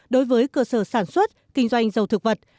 đối với cơ sở sản xuất kinh doanh dầu thực vật